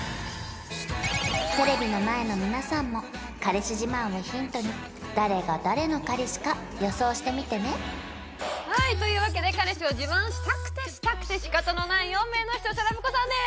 テレビの前の皆さんも彼氏自慢をヒントにはいというわけで彼氏を自慢したくてしたくて仕方のない４名の視聴者ラブ子さんです